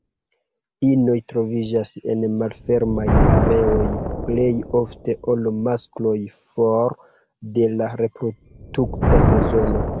Inoj troviĝas en malfermaj areoj plej ofte ol maskloj for de la reprodukta sezono.